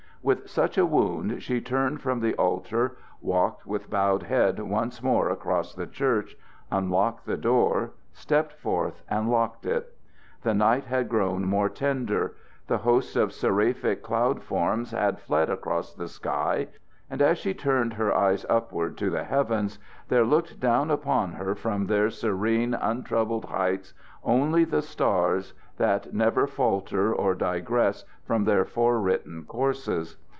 With such a wound she turned from the altar, walked with bowed head once more across the church, unlocked the door, stepped forth and locked it. The night had grown more tender. The host of seraphic cloud forms had fled across the sky; and as she turned her eyes upward to the heavens, there looked down upon her from their serene, untroubled heights only the stars, that never falter or digress from their forewritten courses.